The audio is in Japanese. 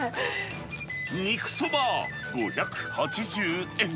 肉そば５８０円。